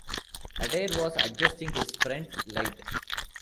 Adair was adjusting his front light.